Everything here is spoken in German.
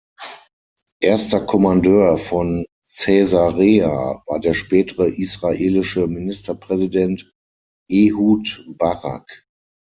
Erster Kommandeur von Caesarea war der spätere Israelische Ministerpräsident Ehud Barak.